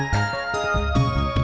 nggak sebeber leyukan